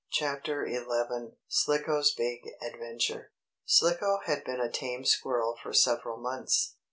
CHAPTER XI SLICKO'S BIG ADVENTURE Slicko had been a tame squirrel for several months.